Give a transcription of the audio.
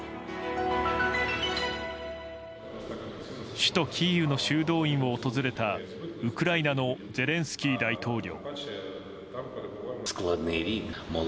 首都キーウの修道院を訪れたウクライナのゼレンスキー大統領。